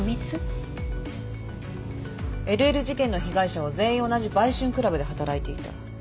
ＬＬ事件の被害者は全員同じ売春クラブで働いていた。